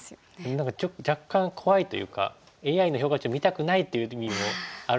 何か若干怖いというかＡＩの評価値を見たくないという時にもあるんですよね。